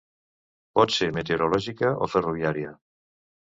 Pot ser meteorològica o ferroviària.